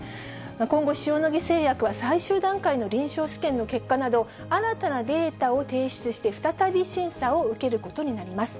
今後、塩野義製薬は最終段階の臨床試験の結果など、新たなデータを提出して、再び審査を受けることになります。